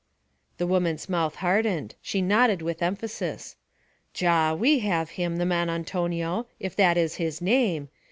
The woman's mouth hardened; she nodded with emphasis. 'Già. We have him, the man Antonio, if that is his name.